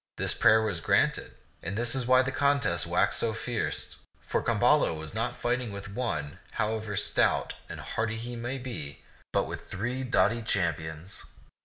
'* This prayer was granted, and this is why the contest waxed so fierce, for Camballo w^as not fighting with one, however stout and hardy he might be, but with three doughty cham pions.